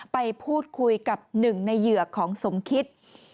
ไปพูดคุยกับ๑ในเหยื่อของสมคิด